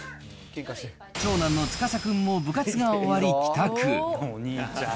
長男の司君も部活が終わり帰宅。